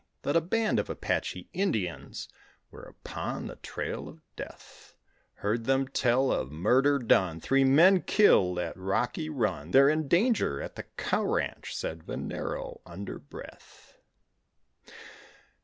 That a band of Apache Indians were upon the trail of death; Heard them tell of murder done, Three men killed at Rocky Run, "They're in danger at the cow ranch," said Venero, under breath.